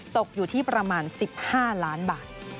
ตกอยู่ที่ประมาณ๑๕ล้านบาท